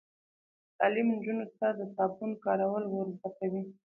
تعلیم نجونو ته د صابون کارول ور زده کوي.